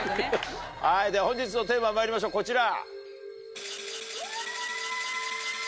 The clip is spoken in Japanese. はいでは本日のテーマまいりましょうこちら。